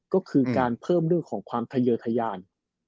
ก็คือการเพิ่มเรื่องของความทะเยอร์ทะยาน